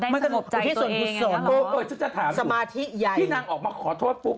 ได้สนุกใจตัวเองอย่างนี้หรอปวดเนื้อที่จะถามที่นางออกมาขอโทษปุ๊บ